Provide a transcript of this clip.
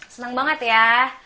senang banget ya